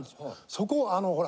そこをあのほら。